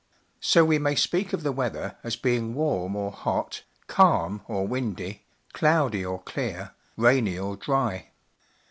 So we may speak of the weather as being warm or hot, calm or windy, cloudy or clear, rainy or dry.